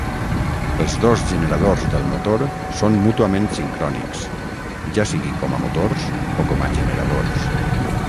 Els dos generadors del motor són mútuament sincrònics, ja sigui com a motors o com a generadors.